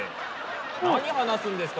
何話すんですか？